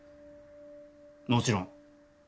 もちろん。